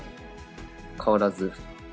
変わらず。